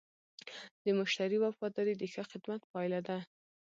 د مشتری وفاداري د ښه خدمت پایله ده.